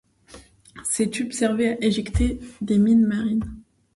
Ces tubes servaient à éjecter des mines marines.